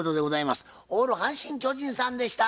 オール阪神・巨人さんでした。